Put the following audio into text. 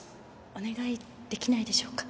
お願いできないでしょうか？